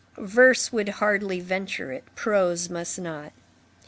Verse would hardly venture it, prose must not.